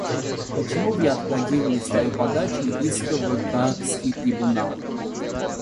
Почему вы откладывали свою подачу исков в Гаагский трибунал?